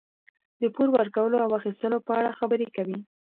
د پور ورکولو او اخیستلو په اړه خبرې کوي.